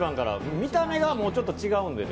見た目からちょっと違うんでね。